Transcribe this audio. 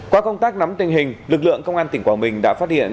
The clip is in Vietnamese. qua công tác nắm tình hình lực lượng công an tỉnh quảng bình đã phát hiện